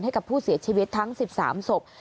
ให้กับผู้เสียชีวิตทั้ง๑๓ศพ